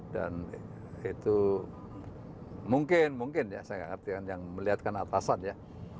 dan itu mungkin mungkin ya saya nggak ngerti kan yang melihatkan atasan ya